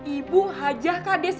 ibu hajah kades